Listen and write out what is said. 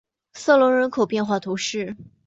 瑟隆人口变化图示